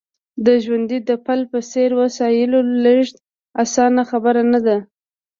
د ژرندې د پل په څېر وسایلو لېږد اسانه خبره نه ده